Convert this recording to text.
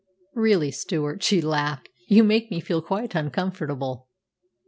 "Really, Stewart," she laughed, "you make me feel quite uncomfortable."